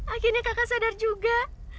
akhirnya kakak sadar juga